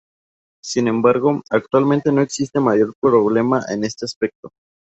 Sin embargo, actualmente no existe mayor problema en este aspecto.